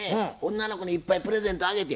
女の子にいっぱいプレゼントあげて。